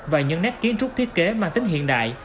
và những nét kiến trúc thiết kế mang tính hiện đại